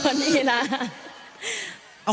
อ่ะนี่แหละ